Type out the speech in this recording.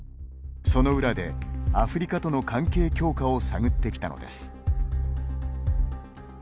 その裏でアフリカとの関係強化を探ってきたのです。